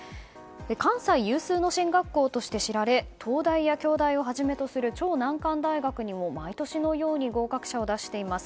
関西有数の進学校として知られ東大や京大をはじめとする超難関大学にも毎年のように合格者を出しています。